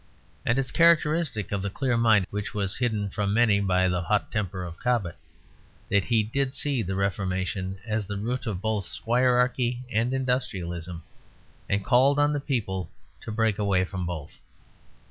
And it is characteristic of the clear mind which was hidden from many by the hot temper of Cobbett, that he did see the Reformation as the root of both squirearchy and industrialism, and called on the people to break away from both.